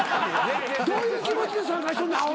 どういう気持ちで参加しとんねんアホンダラ。